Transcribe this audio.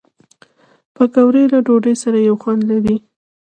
پکورې له ډوډۍ سره یو خوند لري